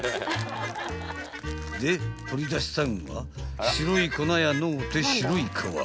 ［で取り出したんは白い粉やのうて白い皮］